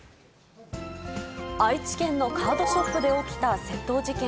愛知県のカードショップで起きた窃盗事件。